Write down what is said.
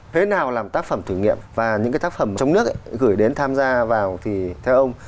thế nào làm tác phẩm thử nghiệm và những cái tác phẩm trong nước gửi đến tham gia vào thì theo ông